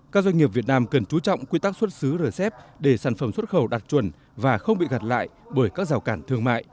các doanh nghiệp việt nam cần chú trọng quy tắc xuất xứ rcep để sản phẩm xuất khẩu đạt chuẩn và không bị gạt lại bởi các rào cản thương mại